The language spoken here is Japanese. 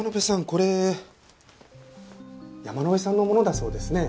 これ山野辺さんのものだそうですね。